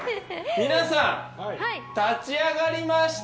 皆さん、立ち上がりました。